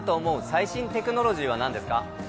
最新テクノロジーはなんですか。